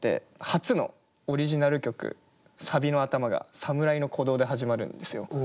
初のオリジナル曲サビの頭が「侍の鼓動」で始まるんですよ。